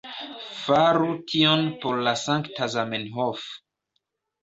Faru tion por la sankta Zamenhof